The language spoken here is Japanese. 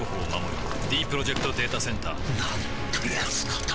ディープロジェクト・データセンターなんてやつなんだ